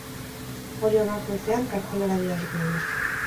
Hori onartu ezean, kartzelara bidaliko du.